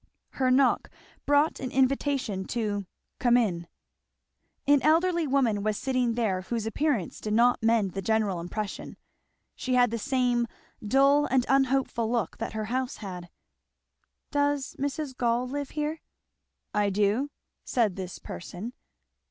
Her knock brought an invitation to "come in." An elderly woman was sitting there whose appearance did not mend the general impression. She had the same dull and unhopeful look that her house had. "Does Mrs. Gall live here?" "I do," said this person.